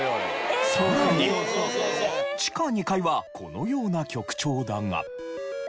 さらに地下２階はこのような曲調だが。